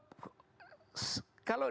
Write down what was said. kalau dia kebetulan